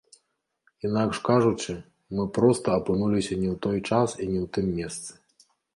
Інакш кажучы, мы проста апынуліся не ў той час і не ў тым месцы.